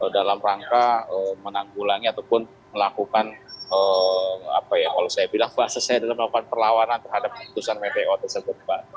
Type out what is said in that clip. dalam rangka menanggulannya ataupun melakukan apa ya kalau saya bilang bahasa saya dalam melakukan perlawanan terhadap keputusan mto tersebut